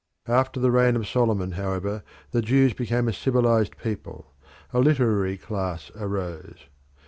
After the reign of Solomon, however, the Jews became a civilised people; a literary class arose.